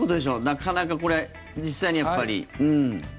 なかなかこれ実際にはやっぱり。